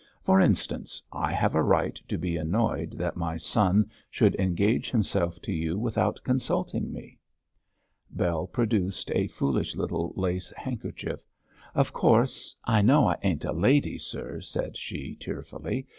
'For instance, I have a right to be annoyed that my son should engage himself to you without consulting me.' Bell produced a foolish little lace handkerchief. 'Of course, I know I ain't a lady, sir,' said she, tearfully.